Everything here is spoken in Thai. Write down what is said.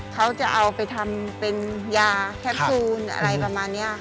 เขาจะเอาไปทำเป็นยาแคปซูลอะไรประมาณนี้ค่ะ